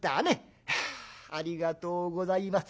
「ありがとうございます。